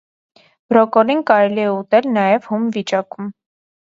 Բրոկկոլին կարելի է ուտել նաև հում վիճակում։